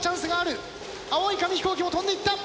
青い紙飛行機も飛んでいった！